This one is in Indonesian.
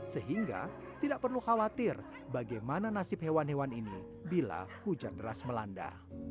sehingga tidak perlu khawatir bagaimana nasib hewan hewan ini bila hujan deras melanda